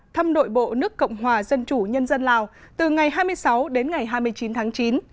thăm nội bộ nước cộng hòa dân chủ nhân dân lào từ ngày hai mươi sáu đến ngày hai mươi chín tháng chín